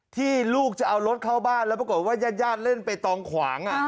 ที่ลูกจะเอารถเข้าบ้านแล้วปรากฏว่าญาติเล่นไปตองขวาง